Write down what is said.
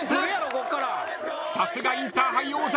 さすがインターハイ王者